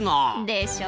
でしょ？